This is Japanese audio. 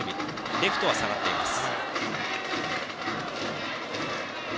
レフトは下がっています。